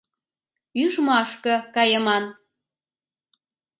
Ӱжмашке кайыман.